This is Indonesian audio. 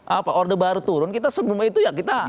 apa order baru turun kita sebelum itu ya kita